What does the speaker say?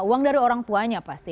uang dari orang tuanya pasti